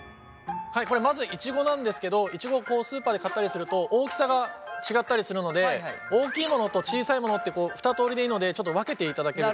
まずイチゴなんですけどイチゴをスーパーで買ったりすると大きさが違ったりするので大きいものと小さいものって２通りでいいのでちょっと分けていただけると。